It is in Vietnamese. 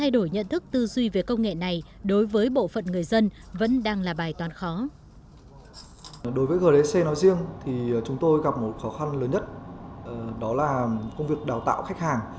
đối với gdc nói riêng thì chúng tôi gặp một khó khăn lớn nhất đó là công việc đào tạo khách hàng